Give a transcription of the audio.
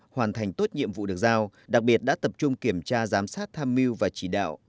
hoàn thành tốt nhiệm vụ được giao đặc biệt đã tập trung kiểm tra giám sát tham mưu và chỉ đạo